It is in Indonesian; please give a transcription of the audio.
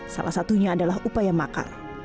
salah satunya adalah upaya makar